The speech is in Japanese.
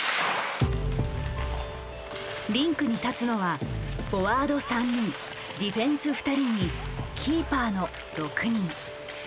リンクに立つのはフォワード３人ディフェンス２人にキーパーの６人。